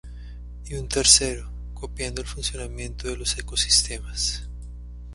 Y un tercero, copiando el funcionamiento de los ecosistemas".